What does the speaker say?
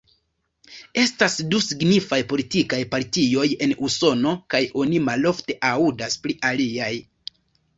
Estas du signifaj politikaj partioj en Usono kaj oni malofte aŭdas pri aliaj.